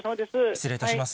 失礼いたします。